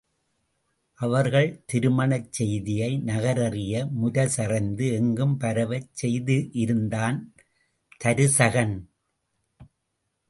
அவர்கள் திருமணச் செய்தியை நகரறிய முரசறைந்து எங்கும் பரவச் செய்திருந்தான் தருசகன்.